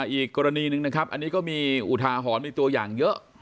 อีกกรณีหนึ่งนะครับอันนี้ก็มีอุทาหรณ์มีตัวอย่างเยอะ